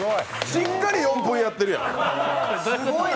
しっかり４分やってるやん。